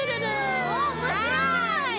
おっおもしろい！